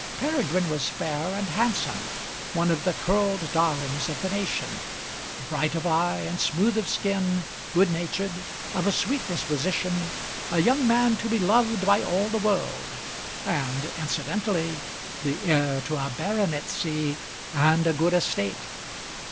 Peregrine was fair and handsome, one of the curled darlings of the nation, bright of eye and smooth of skin, good natured, of a sweet disposition, a young man to be loved by all the world, and incidentally the heir to a baronetcy and a good estate.